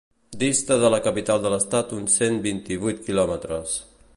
Dista de la capital de l'estat uns cent vint-i-vuit quilòmetres.